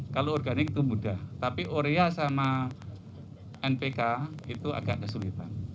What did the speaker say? kalau organik itu mudah tapi orea sama npk itu agak kesulitan